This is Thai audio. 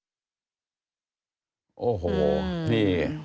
โอ้โหนี่